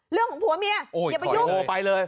เรื่องของผัวเมียอย่าไปยุ่ง